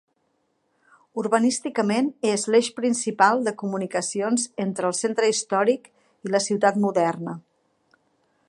Urbanísticament és l'eix principal de comunicacions entre el centre històric i la ciutat moderna.